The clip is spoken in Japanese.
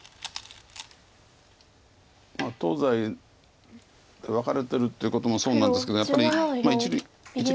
東西で分かれてるということもそうなんですけどやっぱり。